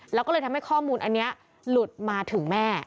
แล้วก็เลยทำให้ข้อมูลอันนี้หลุดมาถึงแม่